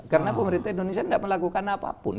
karena pemerintah indonesia tidak melakukan apapun